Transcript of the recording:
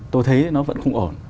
tôi thấy nó vẫn không ổn